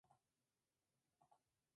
Jugaba de portero, conocido como Villanueva.